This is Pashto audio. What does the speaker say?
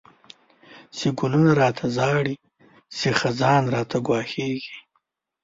چی گلونه را ته ژاړی، چی خزان راته گواښیږی